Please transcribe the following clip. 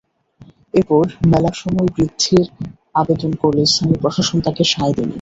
এরপর মেলার সময় বৃদ্ধির আবেদন করলে স্থানীয় প্রশাসন তাতে সায় দেয়নি।